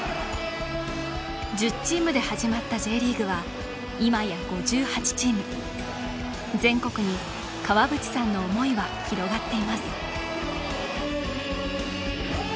１０チームで始まったＪリーグはいまや５８チーム全国に川淵さんの思いは広がっています